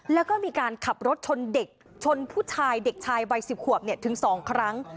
แล้วก็มีการขับรถชนเด็กชนผู้ชายเด็กชายวัย๑๐ขวบถึง๒ครั้ง